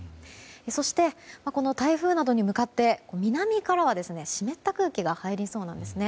そして、この台風などに向かって南からは湿った空気が入りそうなんですね。